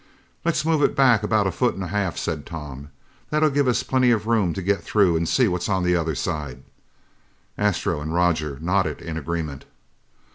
"Let's move it back about a foot and a half," said Tom. "That'll give us plenty of room to get through and see what's on the other side." Astro and Roger nodded in agreement.